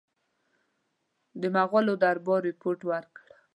د مغولو دربار رپوټ ورکړ.